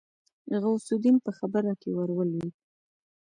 غوث الدين په خبره کې ورولوېد.